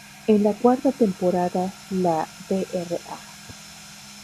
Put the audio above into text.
En la cuarta temporada, la Dra.